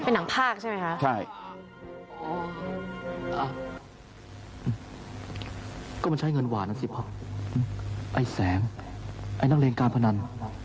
เป็นหนังภาคใช่ไหมครับ